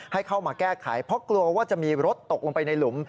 ให้เข้ามาแก้ไขเพราะกลัวว่าจะมีรถตกลงไปในหลุม